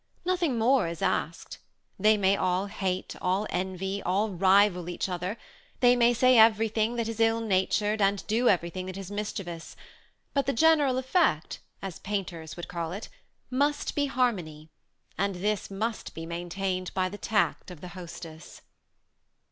Nothing more is asked. They may all hate, all envy, all rival each other ; they may say everything that is ill natured, and do everything that is mischievous, but the "general effect," as painters would call it, must be harmony ; and this must be maintained by the tact of the hostess.